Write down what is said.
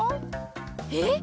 えっ？